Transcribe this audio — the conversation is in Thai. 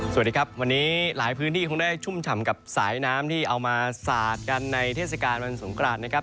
สวัสดีครับวันนี้หลายพื้นที่คงได้ชุ่มฉ่ำกับสายน้ำที่เอามาสาดกันในเทศกาลวันสงกรานนะครับ